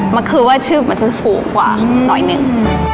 มันคือว่าชื่อมันจะสูงกว่าหน่อยหนึ่ง